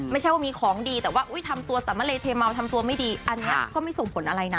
ไม่ใช่ว่ามีของดีแต่ว่าทำตัวสามะเลเทเมาทำตัวไม่ดีอันนี้ก็ไม่ส่งผลอะไรนะ